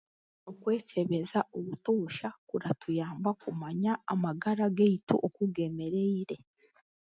Okwekyebeza obutosha kuratuyamba obumwe kumanya amagara gaitu oku g'emereire